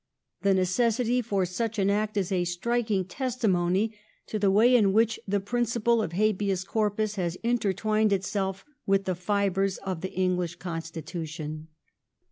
The necessity for such an Act is a striking testimony to the way in which the principle of Habeas Corpus has intertwined itself with the fibres of the English constitution.